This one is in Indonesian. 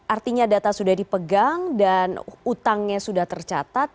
artinya data sudah dipegang dan utangnya sudah tercatat